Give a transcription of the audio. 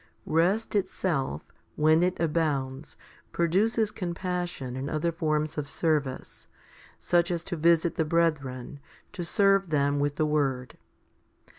Rest itself, when it abounds, produces com passion and other forms of service, such as to visit the brethren, to serve them with the word.